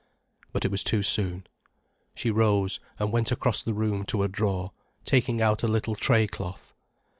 But it was too soon. She rose, and went across the room to a drawer, taking out a little tray cloth.